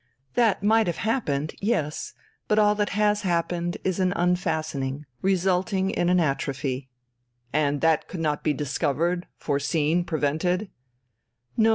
"That might have happened. Yes. But all that has happened is an unfastening, resulting in an atrophy." "And that could not be discovered, foreseen, prevented?"